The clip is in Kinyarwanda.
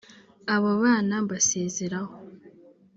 abo bana mbasezeraho